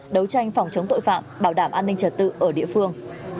đấu tranh phòng chống tội phạm bảo đảm an ninh trật tự ở địa phương